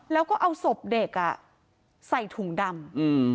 แล้วก็เอาศพเด็กใส่ถุงดำ